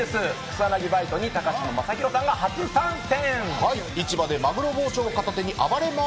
草薙バイトに高嶋政宏さんが初参戦。